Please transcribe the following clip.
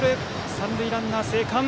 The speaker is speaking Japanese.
三塁ランナー、生還。